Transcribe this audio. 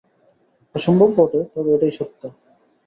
অসম্ভব বটে, তবে এটাই সত্য।